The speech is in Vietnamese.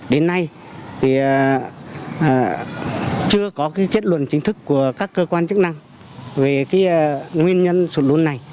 đến nay thì chưa có kết luận chính thức của các cơ quan chức năng về cái nguyên nhân sụt lún này